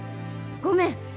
ごめん！